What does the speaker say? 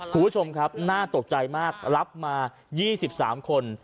คุณผู้ชมครับน่าตกใจมากรับมา๒๓คน